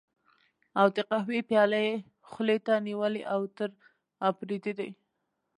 او د قهوې پياله یې خولې ته نیولې، اوتر اپرېدی دی.